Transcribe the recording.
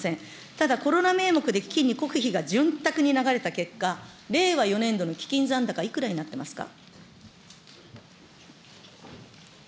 ただ、コロナ名目で基金に国費が潤沢に流れた結果、令和４年度の基金残高、いくらになってますか。